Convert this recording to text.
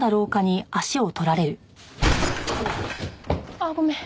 あっごめん。